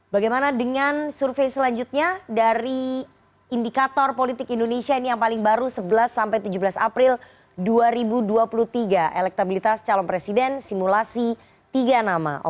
bagaimana dengan survei selanjutnya dari indikator politik indonesia ini yang paling baru sebelas sampai tujuh belas april dua ribu dua puluh tiga elektabilitas calon presiden simulasi tiga nama